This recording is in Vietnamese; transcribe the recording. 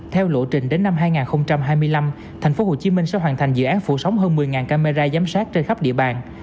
theo lộ trình đến năm hai nghìn hai mươi năm tp hcm sẽ hoàn thành dự án phủ sóng hơn một mươi camera giám sát trên khắp địa bàn